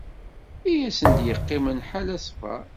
I asen-d-yeqqimen ḥala ssber.